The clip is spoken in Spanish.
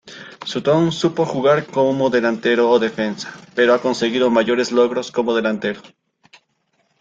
Sutton supo jugar como delantero o defensa, pero ha conseguido mayores logros como delantero.